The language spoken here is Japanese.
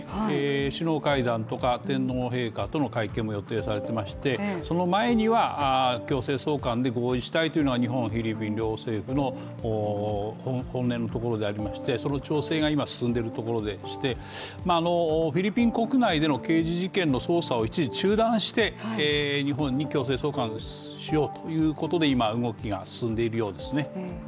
首脳会談とか天皇陛下との会見も予定されていまして、その前には強制送還で合意したいというのは日本・フィリピン両政府の本音のところでありましてその調整が今、進んでいるところでしてフィリピン国内での刑事事件の捜査を一時中断して、日本に強制送還しようということで今、動きが進んでいるようですね。